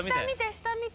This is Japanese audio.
下見て。